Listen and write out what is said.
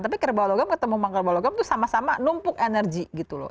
tapi kerbau logam ketemu mangkle bawa logam itu sama sama numpuk energi gitu loh